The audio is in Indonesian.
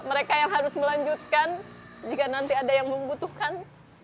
mereka yang harus melanjutkan jika nanti ada yang membutuhkan